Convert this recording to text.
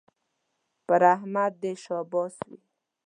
پر احمد دې شاباس وي